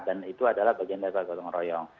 dan itu adalah bagian dari pak gotong royong